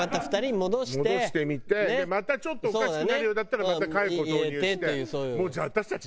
戻してみてまたちょっとおかしくなるようだったらまた佳代子を投入して。